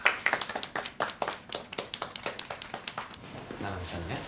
七海ちゃんね。